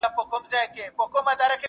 سمدستي یې د مرګي مخي ته سپر کړي٫